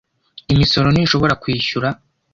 imisoro ntishobora kwishyura